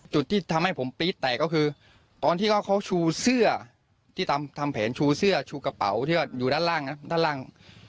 จุดที่ทำให้ผมปรี๊ดแตกคือตอนที่เขาชูเสื้อที่ตามทางแผนชูเสื้อชูกระเป๋าอยู่ด้านล่าง